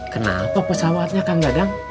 kenapa pesawatnya kan dadang